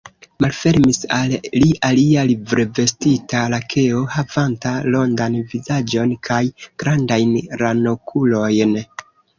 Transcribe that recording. Malfermis al li alia livrevestita lakeo, havanta rondan vizaĝon kaj grandajn ranokulojn.